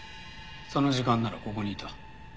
その時間ならここにいた。